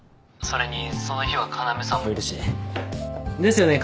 それにその日は要さんもいるし。ですよね？